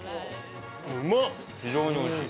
非常においしい。